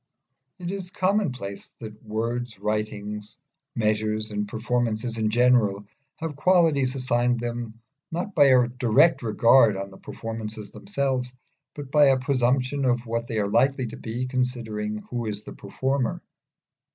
It is a commonplace that words, writings, measures, and performances in general, have qualities assigned them not by a direct judgment on the performances themselves, but by a presumption of what they are likely to be, considering who is the performer.